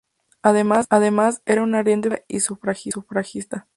Además, era una ardiente feminista y sufragista.